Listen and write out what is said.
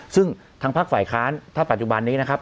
ซึ่งทางภาคฝ่ายค้านถ้าปัจจุบันนี้นะครับ